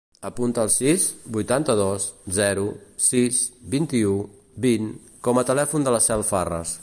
Apunta el sis, vuitanta-dos, zero, sis, vint-i-u, vint com a telèfon de la Cel Farres.